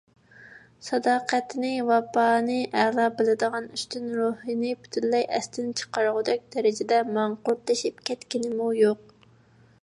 ساداقەتنى، ۋاپانى ئەلا بىلىدىغان ئۈستۈن روھىنى پۈتۈنلەي ئەستىن چىقارغۇدەك دەرىجىدە ماڭقۇرتلىشىپ كەتكىنىمۇ يوق.